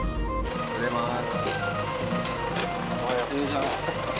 おはようございます。